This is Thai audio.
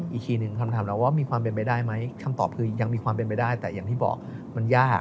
อีกทีหนึ่งคำถามเราว่ามีความเป็นไปได้ไหมคำตอบคือยังมีความเป็นไปได้แต่อย่างที่บอกมันยาก